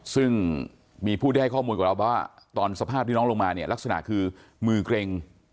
ซึ่งมีผู้ได้ให้ข้อมูลกับเราว่าตอนสภาพที่น้องลงมาเนี่ยลักษณะคือมือเกร็ง